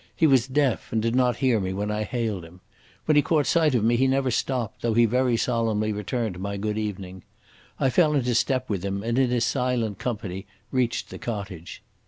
He was deaf, and did not hear me when I hailed him. When he caught sight of me he never stopped, though he very solemnly returned my good evening. I fell into step with him, and in his silent company reached the cottage.